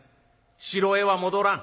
城へは戻らん。